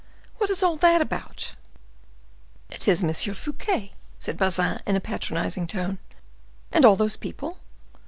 "What is all that about?" "It is M. Fouquet," said Bazin, in a patronizing tone. "And all those people?"